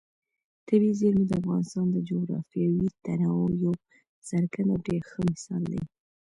طبیعي زیرمې د افغانستان د جغرافیوي تنوع یو څرګند او ډېر ښه مثال دی.